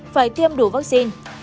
phải tiêm đủ vaccine